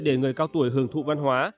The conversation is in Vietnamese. để người cao tuổi hưởng thụ văn hóa